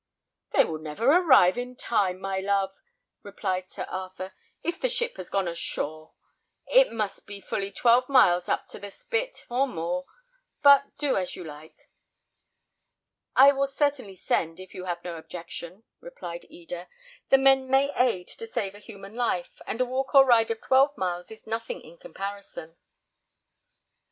"They will never arrive in time, my love," replied Sir Arthur, "if the ship has got ashore. It must be fully twelve miles up to the spit, or more; but do as you like." "I will certainly send, if you have no objection," replied Eda. "The men may aid to save a human life, and a walk or ride of twelve miles is nothing in comparison."